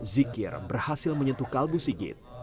zikir berhasil menyentuh kalbu sigit